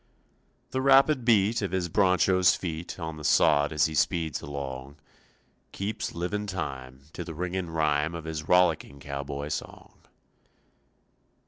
The rapid beat Of his broncho's feet On the sod as he speeds along, Keeps living time To the ringing rhyme Of his rollicking cowboy song.